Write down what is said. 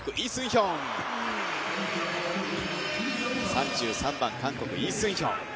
３３番、韓国、イ・スンヒョン。